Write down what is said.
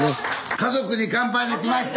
「家族に乾杯」で来ました！